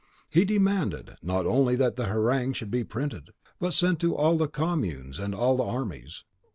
He demanded, not only that the harangue should be printed, but sent to all the communes and all the armies.